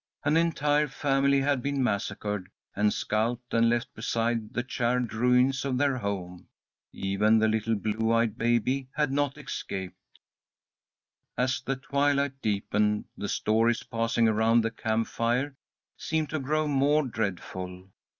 An entire family had been massacred and scalped, and left beside the charred ruins of their home. Even the little blue eyed baby had not escaped. As the twilight deepened, the stories passing around the camp fire seemed to grow more dreadful.